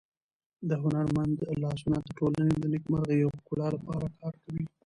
د هنرمند لاسونه د ټولنې د نېکمرغۍ او ښکلا لپاره کار کوي.